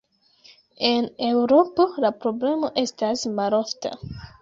En Eŭropo la problemo estas malofta.